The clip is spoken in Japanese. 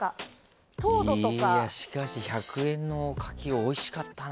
いや、しかし１００円の柿おいしかったな。